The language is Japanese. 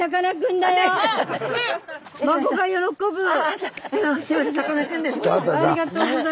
はい。